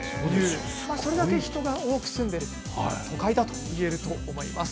それだけ人が多く住んでいる都会だといえると思います。